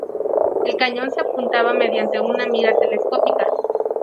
El cañón se apuntaba mediante una mira telescópica.